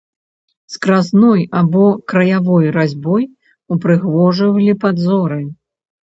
Скразной або краявой разьбой упрыгожвалі падзоры.